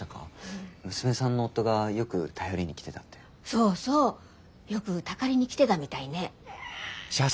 そうそうよくたかりに来てたみたいね。